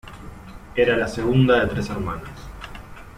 Era la segunda de tres hermanas.